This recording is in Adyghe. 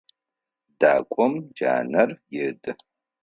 Дакӏом джанэр еды.